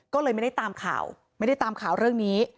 ก็เลยไม่ได้ตามข่าวไม่ได้ตามข่าวเรื่องนี้